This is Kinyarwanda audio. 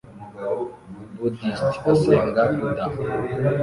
buddiste asenga buddha